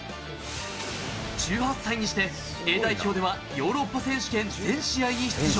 １８歳にしてＡ代表ではヨーロッパ選手権、全試合に出場。